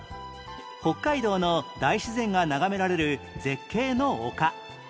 北海道の大自然が眺められる絶景の丘